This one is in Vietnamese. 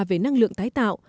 về năng lượng tái tạo